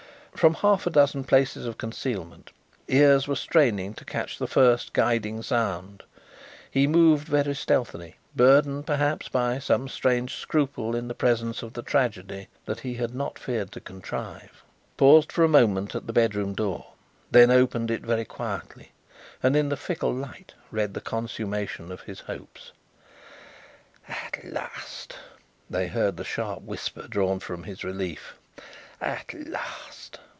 From half a dozen places of concealment ears were straining to catch the first guiding sound. He moved very stealthily, burdened, perhaps, by some strange scruple in the presence of the tragedy that he had not feared to contrive, paused for a moment at the bedroom door, then opened it very quietly, and in the fickle light read the consummation of his hopes. "At last!" they heard the sharp whisper drawn from his relief. "At last!"